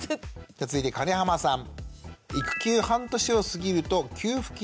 続いて金濱さん。